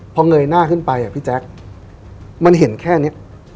พอเงยหน้าขึ้นไปอ่ะพี่แจ๊คมันเห็นแค่นี้